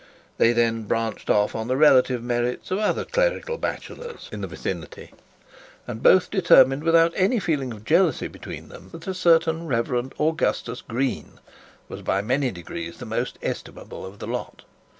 They then branched off on the relative merits of other clerical bachelors in the vicinity, and both determined without any feeling of jealousy between them that a certain Rev. Augustus Green was by many degrees the most estimable of the lot.